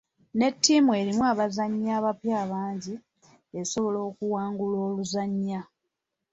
Ne ttiimu erimu abazannyi abapya abangi, esobola okuwangula oluzannya.